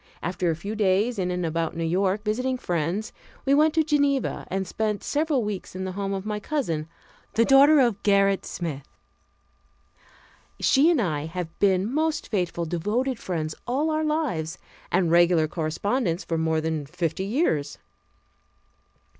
After a few days in and about New York visiting friends, we went to Geneva and spent several weeks in the home of my cousin, the daughter of Gerrit Smith. She and I have been most faithful, devoted friends all our lives, and regular correspondents for more than fifty years.